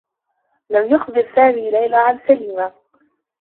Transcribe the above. لم يخبر سامي ليلى عن سليمة.